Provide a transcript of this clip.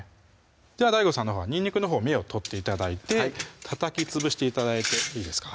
ではＤＡＩＧＯさんのほうはにんにくのほう芽を取って頂いてたたきつぶして頂いていいですか